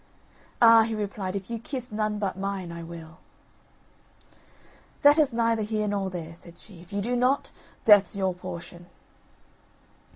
"Ah!" he replied, "if you kiss none but mine, I will." "That is neither here nor there," said she; "if you do not, death's your portion!"